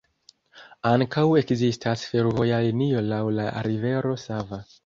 Ankaŭ ekzistas fervoja linio laŭ la rivero Sava.